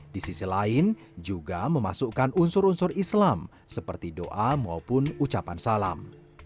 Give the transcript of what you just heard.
di sisi lain juga memasukkan unsur unsur islam seperti doa maupun ucapan salam